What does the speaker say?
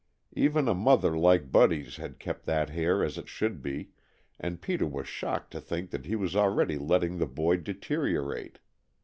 Even a mother like Buddy's had kept that hair as it should be, and Peter was shocked to think he was already letting the boy deteriorate.